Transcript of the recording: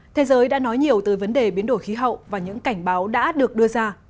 thế giới đã nói nhiều tới vấn đề biến đổi khí hậu và những cảnh báo đã được đưa ra